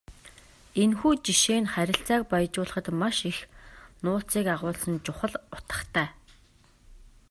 Энэхүү жишээ нь харилцааг баяжуулахад маш их нууцыг агуулсан чухал утгатай.